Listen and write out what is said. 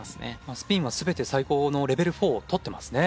スピンは全て最高のレベル４を取ってますね。